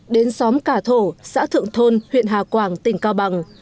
đến xóm cà thổ xã thượng thôn huyện hà quảng tỉnh cao bằng